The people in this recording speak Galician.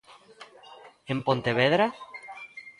¿En Pontevedra?